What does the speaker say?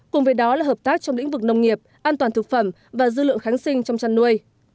cùng với đó là hợp tác trong lĩnh vực nông nghiệp an toàn thực phẩm và dư lượng kháng sinh trong chăn nuôi